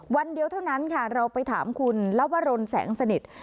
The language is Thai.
วันเดียวเท่านั้นค่ะเราไปถามคุณลวรนแสงสนิท